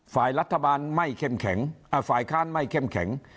ฝ่ายรัฐบาลไม่เข้มแข็งฝ่ายค้านไม่เข้มแข็ง